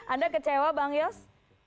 anda kecewa bang yos